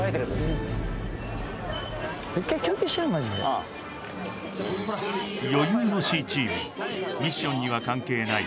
うん余裕のＣチームミッションには関係ない